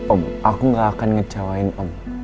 om aku gak akan ngecewain om